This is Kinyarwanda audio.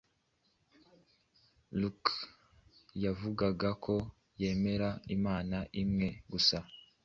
Lucky yavugaga ko yemera Imana imwe gusa,